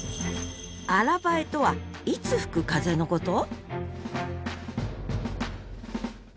「新南風」とはいつ吹く風のこと？